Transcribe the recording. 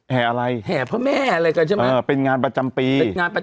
แห่อะไรแห่พระแม่อะไรกันใช่ไหมเออเป็นงานประจำปี